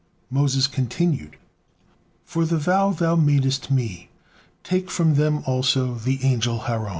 Moses continued: "For the vow Thou madest me, take from them also the angel Haron."